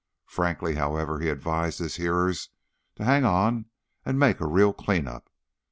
Frankly, however, he advised his hearers to hang on and make a real clean up.